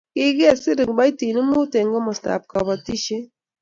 kikiser kiboitinik mut eng' komostab kabotisiet